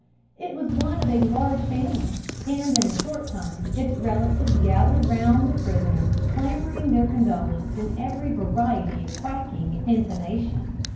It was one of a large family; and in a short time its relatives gathered round the prisoner, clamouring their condolence in every variety of quacking intonation.